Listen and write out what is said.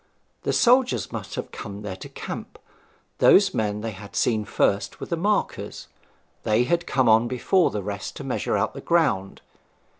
The soldiers must have come there to camp: those men they had seen first were the markers: they had come on before the rest to measure out the ground.